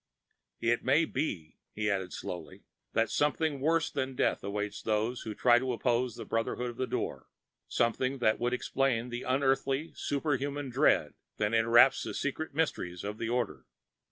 "It may be," he added slowly, "that something worse even than death awaits those who try to oppose the Brotherhood of the Door something that would explain the unearthly, superhuman dread that enwraps the secret mysteries of the order.